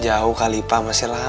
aku gak mau